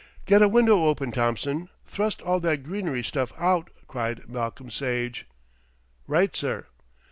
"Get a window open, Thompson; thrust all that greenery stuff out," cried Malcolm Sage. "Right, sir."